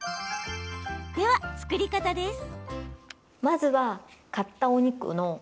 では作り方です。